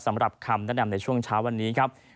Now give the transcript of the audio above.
สำหรับคำแนะนำในช่วงเช้าวันนี้ครับ